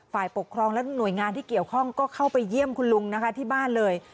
ฝ่ายปกครองและหน่วยงานที่เกี่ยวข้องก็เข้าไปเยี่ยมคุณลุงนะคะที่บ้านเลย